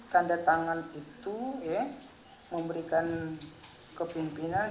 tanda tangan itu ya memberikan kepimpinan